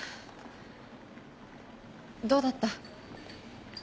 どうだった？